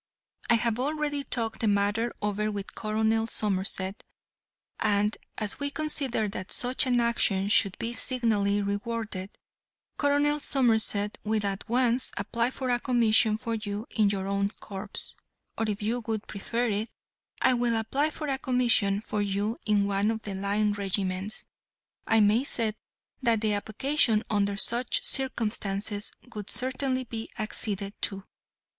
I have already talked the matter over with Colonel Somerset, and as we consider that such an action should be signally rewarded, Colonel Somerset will at once apply for a commission for you in your own corps, or if you would prefer it, I will apply for a commission for you in one of the line regiments. I may say that the application under such circumstances would certainly be acceded to."